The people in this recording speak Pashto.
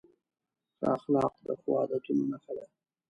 ښه اخلاق د ښو عادتونو نښه ده.